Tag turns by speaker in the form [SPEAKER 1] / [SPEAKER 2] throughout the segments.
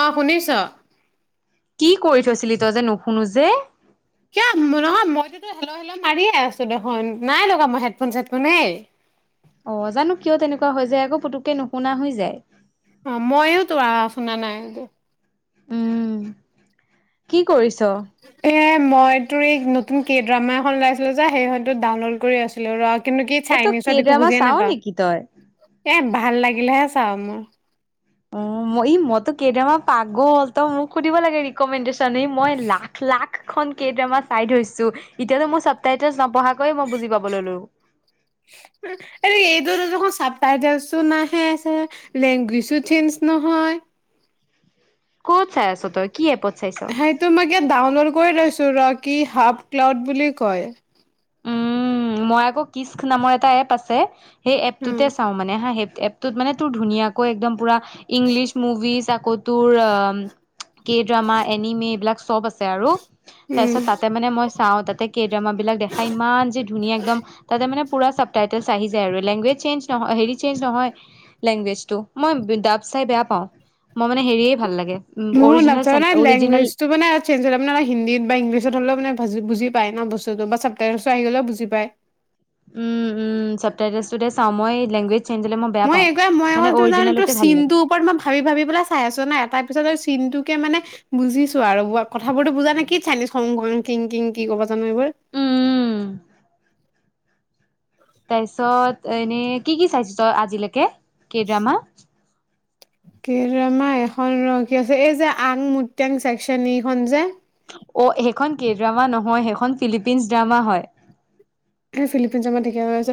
[SPEAKER 1] অঁ শুনিছ
[SPEAKER 2] কি কৰি থৈছিলি তই যে নুশুনো যে
[SPEAKER 1] কিয় নহয় মইতো হেলল' হেল' মাৰিয়ে আছো দেখোন নাই লগা মই হেডফোন চেডফোনে হে
[SPEAKER 2] অঁ জানো কিয় তেনেকুৱা হৈ যায় আকৌ পুতুকে নুশুনা হৈ যায়।
[SPEAKER 1] অঁ ময়ো তো আৱাজ শুনা নাই।
[SPEAKER 2] উম কি কৰিছ [inaudible]
[SPEAKER 1] এ মই তোৰ নতুন কি ড্ৰামা এখন ওলাইছিলে যে সেইখনতো ডাউনলোড কৰি আছিলো ৰ। কিন্তু কি
[SPEAKER 2] অ তই
[SPEAKER 1] চাইনিজত একো
[SPEAKER 2] কেইড্ৰামা
[SPEAKER 1] বুজিয়ে
[SPEAKER 2] চাও
[SPEAKER 1] নাপাওঁ
[SPEAKER 2] নেকি তই
[SPEAKER 1] এ ভাল লাগিলেহে চাও মোৰ
[SPEAKER 2] অঁ মই ই মইতো কে ড্ৰামা পাগল। তই মোক সুধিব লাগে ৰিকমেণ্ডেশচন মই লাখ লাখখন কেইড্ৰামা চাই থৈছো এতিয়াতো মই চাব টাইটেল নপঢ়াকৈয়ে মই বুজি পাব ললো।
[SPEAKER 1] এই এইটোত দেখোন চাব টাইটেলচো নাহে লেংগুৱেজো চেঞ্জ নহয়
[SPEAKER 2] ক'ত চাই আছ তই কি এপত চাইছ
[SPEAKER 1] সেইটো মই ইয়াত ডাউনলোড কৰি লৈছো। সুৰা কি হাফ ক্লাউড বুলি কয়।
[SPEAKER 2] উ মই আকৌ কিসক নামৰ এটা এপ আছে। সেই
[SPEAKER 1] উম
[SPEAKER 2] এপটোঁতে চাওঁ মানে হা এপটোত মানে তোৰ ধুনীয়াকৈ একদম পূৰা। ইংলিছ মুভিজ আকৌ তোৰ কে ড্ৰামা, এনিমি, এইবিলাক চব আছে আৰু
[SPEAKER 1] উম
[SPEAKER 2] তাৰপিছত তাতে মানে মই। চাওঁ। তাতে কেইড্ৰামা বিলাক দেখাইমা ধুনীয়া একদম তাতে মানে। পুৰা চাবটাইটলছ আহি যায় আৰু লগেজ চেঞ্জ ন হেৰি চেঞ্জ নহয় লেংগুৱেজ টো। মই ডাব চাই বেয়া পাওঁ মই মানে হেৰিয়ে ভাল লাগে।
[SPEAKER 1] মহ
[SPEAKER 2] অৰিজিনেল
[SPEAKER 1] লা
[SPEAKER 2] অৰিজিনেল
[SPEAKER 1] লেংগুৱেজটো মানে চে্জ হৈ ন হিন্দীত বাংলিছত হলে মানে ভাজো বুজি পাই ন বস্তুতটো বা চাপ্তাইছো আহি গ'লেও বুজি পায়।
[SPEAKER 2] উম। উাহ চাওঁ মই লংগেজ।
[SPEAKER 1] মই এইবাৰ মই আকল তোৰ তাৰে তোৰ
[SPEAKER 2] ভাল লাগে।
[SPEAKER 1] চিনটোৰ ওপৰত মই ভাবি ভাবি পেলাই চাই আছ নাই তাৰ পিছত তোৰ চিনটো। মানে বুজিছো আৰু কথাবোৰতো বুজা নে কি চাইনিজ খং-খং, কিং-কিং কি ক'ব। জনান এইব
[SPEAKER 2] উম, তাৰপিছত এনেই কি কি চাইছ তই আজিলৈকে? কে ড্ৰামাত
[SPEAKER 1] কেড্ৰামাত এখন ৰ কি আছে এই যে আংমটাং চছেক্চন এইখনন যে।
[SPEAKER 2] অ' সেইখন ক ড্ৰামা নহয় সেইখন ফিলিপিনচ ড্ৰামা হয়।
[SPEAKER 1] ফিলিপিনত ঠিকা হৈ আছে।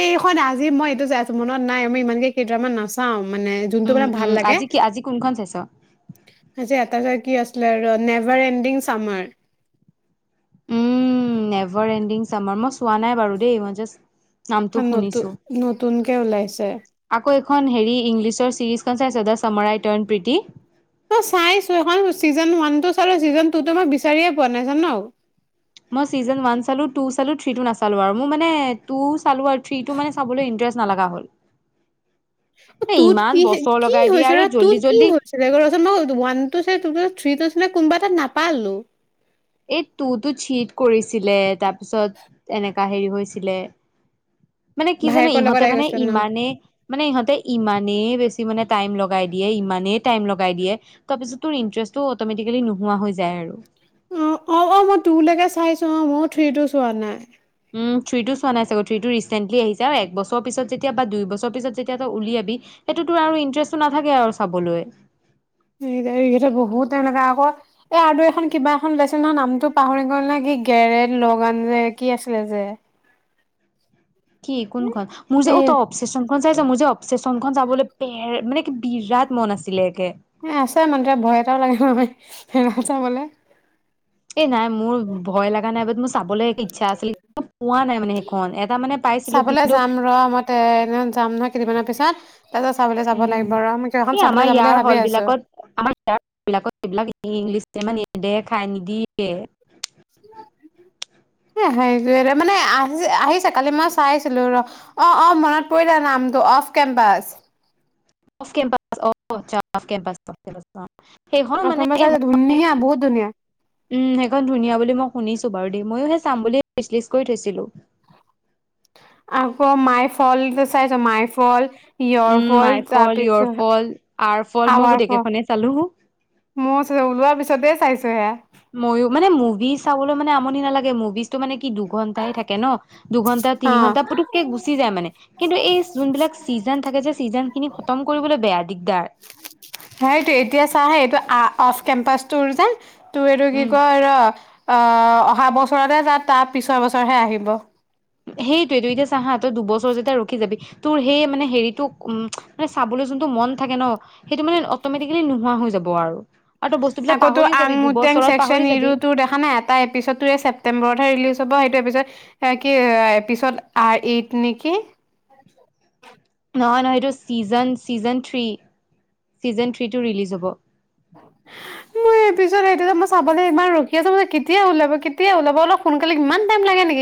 [SPEAKER 1] এইখন আজি মই এইটোই আছো মনত নাই মই ইমানকে কেইটামান নাচাওঁ। ভাল লাগে যোনটো
[SPEAKER 2] উম,
[SPEAKER 1] মানে ভাল
[SPEAKER 2] উম,
[SPEAKER 1] লাগে
[SPEAKER 2] আজি কি আজি কোনখন চাইছ?
[SPEAKER 1] যে এটা যে কি আছিলে never ending summer.
[SPEAKER 2] Um. Ever ending summer মই চোৱা নাই বাৰু দেই মই জাষ্ট নামটো
[SPEAKER 1] নতুন
[SPEAKER 2] শুনিছোঁ।
[SPEAKER 1] নতুনকে ওলাইছে।
[SPEAKER 2] আকৌ এখন হেৰি ইংলিছৰ চিৰিজখন চাইছ দা চামৰাই টণ প্ৰীতি?
[SPEAKER 1] ই চাইছোঁ এইখন চিজন ওৱানটো চালোঁ ছিজন টুটো মই বিচাৰিয়ে পোৱা নাই জা'ন
[SPEAKER 2] মই চিজেন ৱান চালোঁ, টু চালোঁ, থ্ৰী টো নাচালোঁ আৰু মোৰ মানে টু চালোঁ আৰু থ্ৰী টো মানে চাবলে ইন্ত্ৰেষ্ট নলগা হ'ল।
[SPEAKER 1] অ'
[SPEAKER 2] এ
[SPEAKER 1] তোত
[SPEAKER 2] ইমান
[SPEAKER 1] কি হে
[SPEAKER 2] বছৰ
[SPEAKER 1] কি
[SPEAKER 2] লগাই দিয়ে
[SPEAKER 1] হৈছে
[SPEAKER 2] আৰে
[SPEAKER 1] ৰে
[SPEAKER 2] জল্দি
[SPEAKER 1] তোত কি
[SPEAKER 2] জল্দি
[SPEAKER 1] হৈছিলেচৰত? ম ওৱান টো চাই, তুটো চাই, থ্ৰী টো। কোনোবা এটাত নাপালো।
[SPEAKER 2] এই তুটোত চিট কৰিছিলে, তাৰপিছত এনেকা হেৰি হৈছিলে। মানে কি জানো,
[SPEAKER 1] ভায়েকৰ লগত
[SPEAKER 2] ইহঁতে
[SPEAKER 1] আহি
[SPEAKER 2] মানে
[SPEAKER 1] গৈছিলে ন
[SPEAKER 2] ইমানে, মানে ইহঁতে ইমানেই বেছি মানে। টাইম লগাই দিয়ে, ইমানেই টাইম লগাই দিয়ে, তাৰপিছত তোৰ ইন্টাৰেষ্টটো অটমেটিকেলি নোহোৱা হৈ যায় আৰু
[SPEAKER 1] অ', অ', অ' মই টুলৈকে চাইছো অ মইও থ্ৰী টো চোৱা নাই।
[SPEAKER 2] উম! থ্ৰীটো চোৱা নাই চাগ থ্ৰীটো ৰিচেন্টলি আহিছে আৰু একবছৰ পিছত যেতিয়া বা দুই বছৰ পিছত যেতিয়া, তই উলিয়াবি সেইটো তোৰ আৰু ইন্টাৰেষ্টটো নাথাকে আৰু চাবলৈ।
[SPEAKER 1] এইেই বহুত এনেকা আকৌ এ আৰু এখন কিবা এখন ওলাইছিল নহয় নামটো পাহৰি গ'ল নে কি গেৰেট লগান যে কি আছিলে যে?
[SPEAKER 2] কি কোনখন? মোৰ যে
[SPEAKER 1] এই
[SPEAKER 2] ত অপচেচন খন চাই'ছ? মোৰ যে অপচে- চন খন যাবলৈ পে মানে কি বিৰাট মন আছিলে গে
[SPEAKER 1] এ আছে মানে ভয় এটাও লাগে নহয় সেইখন চাবলে।
[SPEAKER 2] এই নাই মোৰ ভয় লাগা নাই বাট মোৰ চাবলৈ এক ইচ্ছা আছিলে ম পোৱা নাই মানে সেইখন এটা মানে পাইছিলো
[SPEAKER 1] চাবলৈ
[SPEAKER 2] কিন্তু
[SPEAKER 1] যাম ৰ মই ট্ৰেইনত যাম নহয় কেইদিনমানৰ পিছত। তাৰপিছত চাবলৈ যাব
[SPEAKER 2] উম।
[SPEAKER 1] লাগিব ৰ মই কিবা এখন
[SPEAKER 2] এই
[SPEAKER 1] চাবলৈ
[SPEAKER 2] আমাৰ
[SPEAKER 1] যাম বুলি
[SPEAKER 2] ইয়াৰ
[SPEAKER 1] ভাবি
[SPEAKER 2] হল
[SPEAKER 1] আছো।
[SPEAKER 2] বিলাকত, আমা ইয়াৰ হল বিলাকবিলাক ইংলিছ তে ইমান নে দে খাই, নিদিয়ে।
[SPEAKER 1] মানে, আহি, আহিছে কালি মই চাইছিলো ৰ, অ, অ, মনত পৰিলে নামটো অফ কেম্পাচ।
[SPEAKER 2] অফ কেম্পাচ, অ আচ্ছা, অফ কেম্পাচ অ সেইখনো
[SPEAKER 1] অফ কেম্পাচ
[SPEAKER 2] মানেই
[SPEAKER 1] চাইছো ধুনীয়া
[SPEAKER 2] [unintelligible]
[SPEAKER 1] বহুত ধুনীয়া।
[SPEAKER 2] উম, সেইখন ধুনীয়া বুলি মই শুনিছো, বাৰু দেই ময়ো সে, চাম বুলি [unintelligible] কৈ থৈছিলো
[SPEAKER 1] আকৌ মাই ফল্ট টো চাইছ, my fault your
[SPEAKER 2] um my
[SPEAKER 1] fault, তাৰ
[SPEAKER 2] ফল
[SPEAKER 1] পিছ
[SPEAKER 2] ইয়ৰ ফল আৰ ফল মই
[SPEAKER 1] আৱাৰ
[SPEAKER 2] গোটেই
[SPEAKER 1] ফল,
[SPEAKER 2] কেইখনে চালো
[SPEAKER 1] মোৰ ওলোৱাৰ পিছতে চাইছো। সেয়া।
[SPEAKER 2] ময়ো, মানে মুভি চাবলৈ মানে আমনি নালাগে, মুভিজ তটো মানে, কি দুঘণ্টাই থাকে ন? দুঘন্টা, তিনি
[SPEAKER 1] অ।
[SPEAKER 2] ঘন্টা, পুতুককে গুচি যায়, মানে কিন্তু এই যোনবিলাক চিজন থাকে, যে চিজন খিনি খতম কৰিবলৈ, বেয়া দিগদাৰ।
[SPEAKER 1] সেইটো এতিয়া চা হা এইটো অফ, কেম্পাটোৰ যে- তু, এইটো কি
[SPEAKER 2] উম
[SPEAKER 1] কয় ৰ অ, অহা বছৰতে, যাত তাৰ পিছৰ, বছৰহে আহিব।
[SPEAKER 2] সেইটোয়েই, তই এতিয়া চা হা তই দুবছৰ, যেতিয়া ৰখি যাবি, তোৰ সেই মানে হেৰিটো, উ, ম, চাবলৈ যোনটো মন থাকে, ন সেইটো মানে অটমেটিকেলি, নোহোৱা হৈ যাব আৰু তই বস্তুবিলাক
[SPEAKER 1] আকৌ‌
[SPEAKER 2] পাহৰি
[SPEAKER 1] আং
[SPEAKER 2] যাবি
[SPEAKER 1] মোটেং
[SPEAKER 2] দুবছৰত
[SPEAKER 1] চছেকচন
[SPEAKER 2] পাহৰি যাবি
[SPEAKER 1] ইৰটো, দেখা নাই, এটা এপিচড টোৱে ছেপটেম্বৰত, হে ৰিলিজ হব। সেইটো এপিচড- এ, কি, পিছত, আ এইত নেকি?
[SPEAKER 2] নহয়, নহয়, এইটো ছিজন, ছিজন থ্ৰী, ছিজন থ্ৰীটো ৰিলিজ হ'ব।
[SPEAKER 1] মই এপিচড সেইটোকে মই, চাবলৈ ইমান ৰখি আছো, মানে কেতিয়া ওলাব, কেতিয়া ওলাব, অলপ সোনকালে, ইমান টাইম লাগে নে-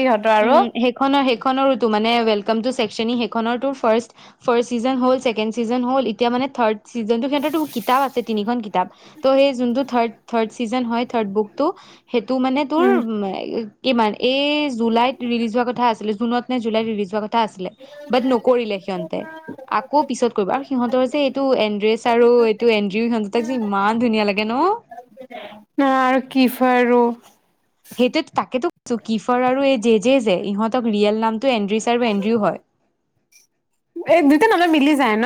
[SPEAKER 2] উম, সেইখনৰ সেইখনৰোটো মানে ৱেল কাম টো সেকচন ই, সেইখনৰ টো, ফাৰ্ষ্ট ছিজন হল, চেকেণ্ড ছিজন হল, এতিয়া মানে থাৰ্ড- ছিজনটো, ক্ষেত্ৰটো কিতাপ আছে তিনিখন কিতাপ, ত 'সেই জোনটো থাৰ্ড ছিজন হয়, থাৰ্ড বুকটো সেইটো মানে তোৰ
[SPEAKER 1] উম
[SPEAKER 2] মে ই ইমান এই যে, জুলাইত ৰিলিজ হোৱা কথা আছিলে, জুনত নে জুলাই ৰিলিজ হোৱা কথা আছিলে। বাট নকৰিলে সিহঁতে, আকৌ পিছত কৰিব, আৰু সিহঁতৰ যে এইটো, এড্ৰেচ আৰু এইটো এনড্ৰিউ, সিহত দুতাক যে ইমান ধুনীয়া লাগে ন।
[SPEAKER 1] আৰু কি হয় আৰু
[SPEAKER 2] সেইটোয়েটো, তাকেতো কৈছো, কিফৰ আৰু এই যেযে, যে ইহঁতক ৰিয়েল নাম টো, এড্ৰিছ আৰু এণ্ড্ৰিও হয়।
[SPEAKER 1] এই দুইটা নামে মিলি যায় ন।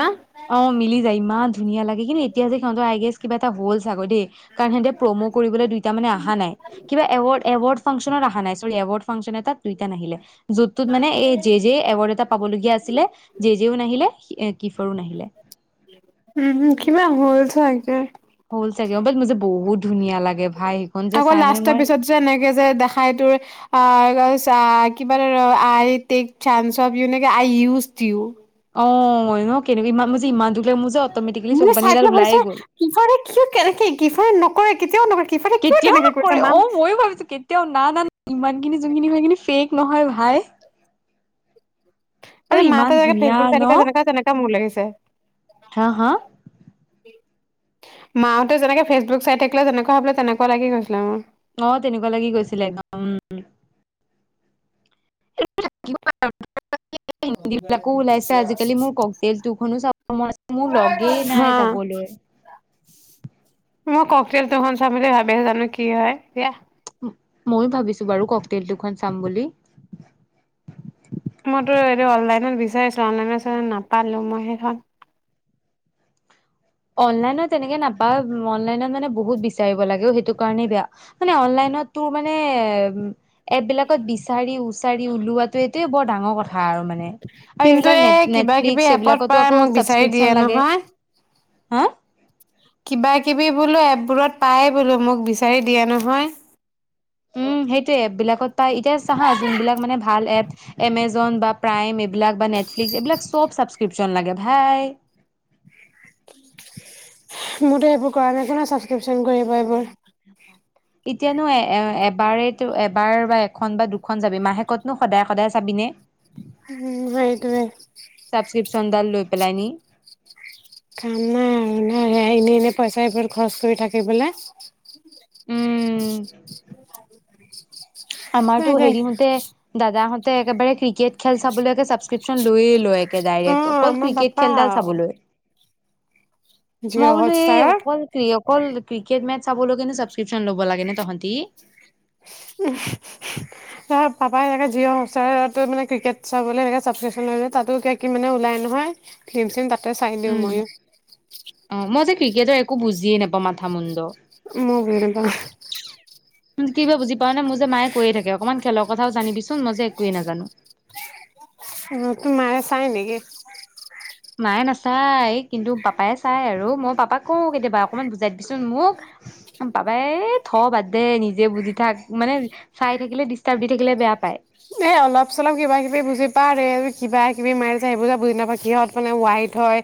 [SPEAKER 2] অ মিলি যায়, ইমান ধুনীয়া লাগে, কিন্তু এতিয়া সিহতক, আই গেচ কিবা এটা হ'ল। হ'ল চাগে দেই, কাৰণ সিহতে প্ৰমো কৰিবলৈ দুইটা মানে অহা নাই, কিবা এৱাৰ্ড, এৱাৰ্ডছ এৱাৰ্ড ফাংচনত আহা নাই চৰি এৱাৰ্ড ফাংচন এটাত, দুইটা নাহিলে। যোন টোত মানে, এই জেজে এৱাৰ্ড এটা পাবলগীয়া আছিলে জেজেও নাহিলে। [unintelligible]
[SPEAKER 1] উম কিবা হ'ল। চব একে।
[SPEAKER 2] হ'ল চাগে, তাইক মোৰ যে বহুত ধুনীয়া লাগে ভাই সেইখন যে
[SPEAKER 1] আকৌ
[SPEAKER 2] চাই মানে
[SPEAKER 1] লাষ্টৰ
[SPEAKER 2] মই
[SPEAKER 1] পিছত যে এনেকে যে দেখাই তোৰ অ' কিবাৰ I take chance of you নেকি আই ইউজ ইউ।
[SPEAKER 2] [unintelligible] মোৰ যে ইমান দুখ
[SPEAKER 1] [unintelligible]
[SPEAKER 2] লাগে মোৰ যে অট'মেটিকেলি চকু পানী এডাল ওলায়ে গ'ল
[SPEAKER 1] কেতিয়াও নহয়।
[SPEAKER 2] কেতিয়াও নকৰে অ' ময়ো ভাবিছো কেতিয়াও না না ইমানখিনি যোনখিনি হৈ কি ফেক। নহয় ভাই।
[SPEAKER 1] এ
[SPEAKER 2] আৰু ইমান
[SPEAKER 1] মাতে যেনেকা
[SPEAKER 2] ধুনীয়া ন
[SPEAKER 1] ফেচবুচনো যেনেকা তেনেকা মোৰ লাগিছে। [inaudible]
[SPEAKER 2] হা হা।
[SPEAKER 1] মাহ'তে যেনেকে ফেচবুক চাই থাকিলে যেনেকুৱা ভাবিলে তেনেকুৱা লাগি গৈছিলে মোৰ।
[SPEAKER 2] অ তেনেকুৱা লাগি গৈছিলে [unintelligible] হিন্দী বিলাকো ওলাইছে আজিকালি মোৰ ককটেল টোখনো চাব মন আছে মোৰ লগেই
[SPEAKER 1] হা
[SPEAKER 2] নাই যাবলৈ।
[SPEAKER 1] মই ককটেল টু খন চাম বুলি ভাবি আছো জানো কি হয়, দিয়া।
[SPEAKER 2] ময়ো ভাবিছো বাৰু ককটল টু খন চাম বুলি।
[SPEAKER 1] মইতো এইটো অনলাইনত বিচাৰিছিলো অনলাইন নাপালো মই সেইখন
[SPEAKER 2] অনলাইনত এনেকে নাপাঅ অনলাইনত মানে বহুত বিচাৰিব লাগে সেইটো কাৰণে বেয়া মানে অনলাইনত তোৰ মানে এপ বিলাকত বিচাৰি উচাৰি উওলোৱাটো এইটোয়ে বৰ ডাঙৰ কথা। আৰু মানে। আৰু
[SPEAKER 1] কিন্তু
[SPEAKER 2] এইবিলাক
[SPEAKER 1] এ
[SPEAKER 2] নেট
[SPEAKER 1] কিবা কিবি
[SPEAKER 2] নেটফ্লিক্স
[SPEAKER 1] এপত
[SPEAKER 2] এইবিলাকতো
[SPEAKER 1] পাই
[SPEAKER 2] আকৌ
[SPEAKER 1] মোক বিচাৰি দিয়ে
[SPEAKER 2] ছাবস্ক্ৰিপচন লাগে
[SPEAKER 1] নহয়।
[SPEAKER 2] হা
[SPEAKER 1] কিবা কিবি বোলো এপবোৰত পায় বোলো মোক বিচাৰি দিয়া নহয়।
[SPEAKER 2] উম সেইটো এপ বিলাকত পাই, এতিয়া চা হা' যোনবিলাক মানে ভাল এপ। এম এজ জ'ন বা প্ৰাইম এইবিলাক বা নেটফ্লিক্স চব ছাবস্ক্ৰিপশ্যন লাগে ভাই
[SPEAKER 1] মোৰতো সেইবোৰ কৰা নাই স্ক্ৰিপশ্যন কৰিব এইবোৰ
[SPEAKER 2] এতিয়ানো এ এ এবাৰে এবাৰ বা এখন বা দুখন যাবি মাহেকতনো সদায় সদায় চাবিনে
[SPEAKER 1] উম সেইটোৱে।
[SPEAKER 2] পেলায় নি
[SPEAKER 1] কাম নাই ন স এনে এনে পইচাবোৰ খৰচ কৰি থাকিবলৈ।
[SPEAKER 2] উম
[SPEAKER 1] চ [unintelligible]
[SPEAKER 2] আমাৰতো হেৰি হোতে দাদাহঁতে একেবাৰে ক্ৰিকেট খেল চাবলৈকে ছাবস্ক্ৰিশ্যন লয়ে লয়
[SPEAKER 1] অ
[SPEAKER 2] ডাৰেক্ট অকল
[SPEAKER 1] আমাৰ
[SPEAKER 2] ক্ৰিকেট
[SPEAKER 1] পাপা
[SPEAKER 2] খেলাদাল চাবলৈ মই
[SPEAKER 1] জিঅ'
[SPEAKER 2] বোলো এই
[SPEAKER 1] হটষ্টাৰৰ
[SPEAKER 2] অকল ক্ৰি অকল ক্ৰিকেট মেটচ চাবলৈ কিনে ছাবস্ক্ৰিপশ্যন ল'ব লাগে নে তহতি।
[SPEAKER 1] অ' পাপাই এনেকে জিঅ' হটষ্টাৰটোত মানে ক্ৰিকেট চাবলৈকে ছাবস্ক্ৰিপশ্যন লৈ ল'লে, তাতো কি মানে ওলাই নহয় ফিল্ম চিল্ম তাত তে চাই দিওঁ
[SPEAKER 2] উম।
[SPEAKER 1] ময়ো।
[SPEAKER 2] অ মই যে ক্ৰিকেটৰ একো বুজিয়ে নাপাওঁ মাথা মুণ্ড।
[SPEAKER 1] ময়ো বুজি নাপাওঁ।
[SPEAKER 2] কিবা বুজি পোৱানে? মোৰ যে মায়ে কৈয়ে থাকে অকণমান খেলৰ কথাও জানিবিচোন, মই যে একোৱেই নাজানো।
[SPEAKER 1] উ তো মাৰে চাই নেকি?
[SPEAKER 2] মাই নাচাই, কিন্তু পাপাই চাই আৰু মই পাপাক কওঁ কেতিয়াবা অকমান বুজাই দিবিচোন, মোক পাপাই এ থ বাদ দে নিজে বুজি থাক, মানে চাই থাকিলে ডিষ্টাৰ্ব দি থাকিলে বেয়া পায়।
[SPEAKER 1] এ অলপ চলপ কিবা কিবি বুজি পাওঁ, কিবা কিবি মাৰে যে সেইবোৰ যে বুজি নাপাওঁ, কিহত মানে ৱাইট হয়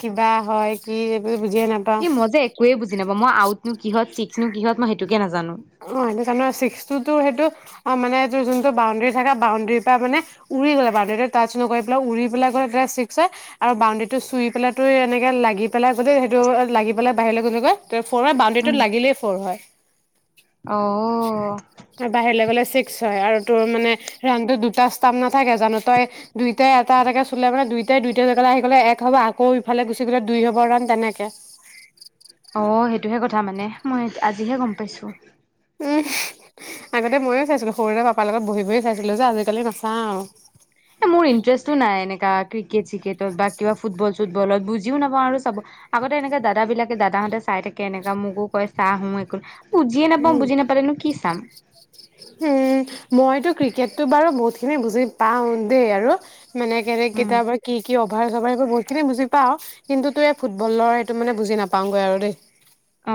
[SPEAKER 1] কিবা হয় কি এইবোৰ বুজিয়ে নাপাওঁ
[SPEAKER 2] ই মই যে একোৱে বুজি নাপাওঁ, মই আউ নো কিহত ছিক্স নো কিহত মই সেইটোকে নাজানো।
[SPEAKER 1] অ' সেইটো জানো, ছিক্সটো তো সেইটো অ' মানে এই যোনটো বাউণ্ডেৰী থাকে বাউণ্ডেৰীৰ পৰা মানে উৰি গ'লে বাউণ্ডেৰীটো টাচ নকৰি পেলাই উৰি পেলাই গ'লে ছিক্স হয়। আৰু বাউণ্ডেৰীটো চুই পেলাই ত এনেকে লাগি পেলাই গ'লেই সেইটো লাগি পেলাই বাহিৰলৈ গ'লে গৈ ফ'ৰ
[SPEAKER 2] উম
[SPEAKER 1] বাউণ্ডেৰীটোত লাগিলেই ফ'ৰ হয়।
[SPEAKER 2] অ
[SPEAKER 1] আৰু বাহিৰলৈ গ'লে ছিক্স হয়, আৰু তোৰ মানে ৰাণতো দুটা ষ্টাম নাথাকে জানো, তই দুইটাই এটা এটাকে চুলে মানে দুইটাই দুইটা জেগালৈ আহি গ'লে এক হ'ব, আকৌ ইফালে গুচি গ'লে দুই হ'ব, ৰাণ তেনেকে।
[SPEAKER 2] অ' সেইটোহে কথা মানে, মই আজিহে গম পাইছোঁ।
[SPEAKER 1] আগতে ময়ো চাইছিলো সৰুতে পাপা লগত বহি বহি চাইছিলো যে, আজিকালি নাচাওঁ।
[SPEAKER 2] এ মোৰ ইণ্টাৰেষ্টো নাই এনেকা, ক্ৰিকেট চিকেটত বা কিবা ফুটবল চুটবলত, বুজিও নাপাওঁ আৰু চাব, আগতে এনেকে দাদাবিলাকে দাদাহঁতে চাই থাকে এনেকা, মোকো কয় চা হোঁ, একো বুজিয়ে নাপাওঁ,
[SPEAKER 1] উম
[SPEAKER 2] বুজি নাপালেনো কি চাম?
[SPEAKER 1] উম মইতো ক্ৰিকেটতটো বাৰু বহুতখিনি বুজি পাওঁ দেই আৰু মানে কেনে
[SPEAKER 2] উম
[SPEAKER 1] কেতিয়াবা কি কি। [unintelligible] বহুতখিনি বুজি পাওঁ, কিন্তুতো এই ফুটবলৰ এইটো মানে বুজি নাপাওঁগৈ আৰু দেই।
[SPEAKER 2] অ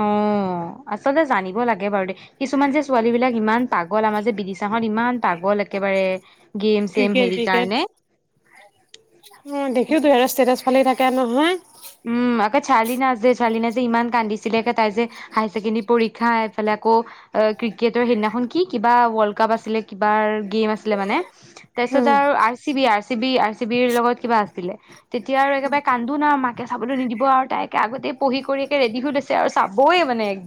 [SPEAKER 2] আচলতে জানিব লাগে বাৰু দে কিছুমান যে ছোৱালী বিলাক ইমান পাগল আমাৰ যে বিদিচা হত ইমান পাগল একেবাৰে। গেম চেম
[SPEAKER 1] ক্ৰিকেট
[SPEAKER 2] হেৰি কাৰণে
[SPEAKER 1] ক্ৰিকেট অ দেখি তহ ষ্ট্ৰেটাচ ফালি থাকে। কে নহয়।
[SPEAKER 2] উম আক চাৰ্লিনা যে চাৰ্লিনা যে ইমান কান্দিছে। ছিলেকে তাই যে হায়কেণ্ডেী পৰী। হা, এইফালে আকৌ আ, ক্ৰিকেটৰ সেইদিনাখন কি, কিবা ৱৰ্ল্ডকাপ আছিলে কিবাৰ, গেম আছিলে মানে। তাৰপিছত
[SPEAKER 1] উম
[SPEAKER 2] আৰু R C B R C B. চিবিৰ লগত কিবা আছিলে। তেতিয়াৰ আৰু একেবাৰে কান্দোন মাত কে চাবলৈ নিদিব, আৰু তাই‌ একে আগতেই পঢ়ি কৰি একে ৰেডি হৈ লৈছে আৰু চাবই মানে‌ এক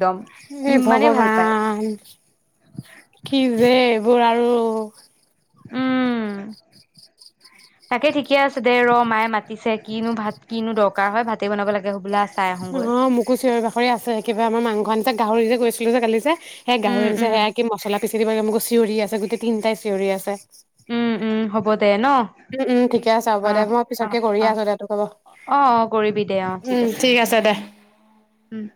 [SPEAKER 1] এ ভগৱান কি যে এইবোৰ। আৰু [unintelligible]
[SPEAKER 2] উম তাকে ঠিকে আছে দে ৰ মায়ে মাতিছে কিনো ভাত কিনো দৰকাৰ হয় ভাতে বনাব লাগে হবলা আছে।
[SPEAKER 1] অ' মোকো চিঞৰি বাখৰি আছে, কিবা আমাৰ মাংস আনি চে, গাহৰি যে কৈছিলো যে কালি যে সেই
[SPEAKER 2] উম
[SPEAKER 1] গাহৰি আনিছে,
[SPEAKER 2] উম
[SPEAKER 1] সেয়া কি মছলা [unintelligible] মানে মোকো চিঞৰি আছে গোট তিনিটাাই চিঞৰি আছে।
[SPEAKER 2] উম। উম। হ'ব দে ন।
[SPEAKER 1] উম। উম। ঠিকে আছে হ'ব দে।
[SPEAKER 2] অ',
[SPEAKER 1] মই পিছতকে
[SPEAKER 2] অ',
[SPEAKER 1] কৰিয়ে
[SPEAKER 2] অ',
[SPEAKER 1] আছো। দোতো কব
[SPEAKER 2] অ', অ', কৰিবি দে অ',
[SPEAKER 1] উম। ঠিক আছে দে।
[SPEAKER 2] উম।